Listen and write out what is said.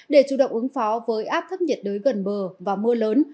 để chủ động ứng phó với áp thấp nhiệt đới gần bờ và mưa lớn